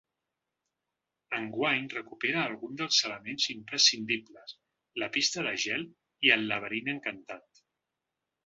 Enguany recupera alguns dels elements imprescindibles: la pista de gel i el laberint encantat.